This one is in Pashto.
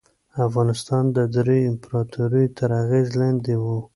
افغانستان د دریو امپراطوریو تر اغېز لاندې و.